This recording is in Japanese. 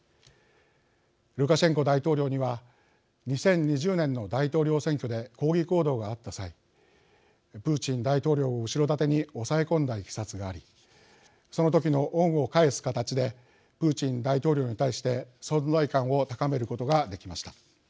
ルカシェンコ大統領には２０２０年の大統領選挙で抗議行動があった際プーチン大統領を後ろ盾に抑え込んだいきさつがありその時の恩を返す形でプーチン大統領に対して存在感を高めることができました。